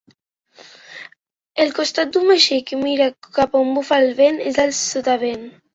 El costat d'un vaixell que mira cap on bufa el vent és el sotavent.